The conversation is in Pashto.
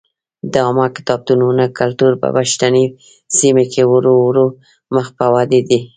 د عامه کتابتونونو کلتور په پښتني سیمو کې ورو ورو مخ په ودې دی.